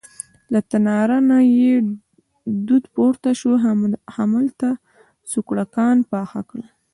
له تناره نه یې دود پورته شو، هماغلته سوکړکان پاخه کړه.